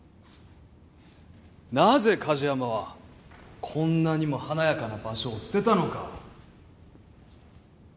なぜ梶山はこんなにも華やかな場所を捨てたのか。